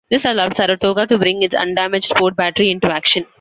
This allowed "Saratoga" to bring its undamaged port battery into action.